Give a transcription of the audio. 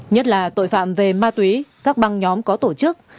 nhất là tội phạm về ma túy các băng nhóm có tổ chức